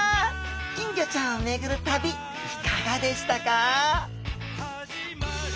金魚ちゃんを巡る旅いかがでしたか？